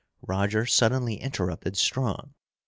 Roger suddenly interrupted Strong.